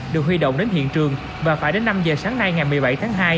được huy động đến hiện trường và phải đến năm giờ sáng nay ngày một mươi bảy tháng hai